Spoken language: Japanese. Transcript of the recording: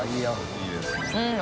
いいですね。